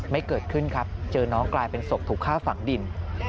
เกิดขึ้นครับเจอน้องกลายเป็นศพถูกฆ่าฝังดิน